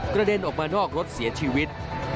เด็นออกมานอกรถเสียชีวิต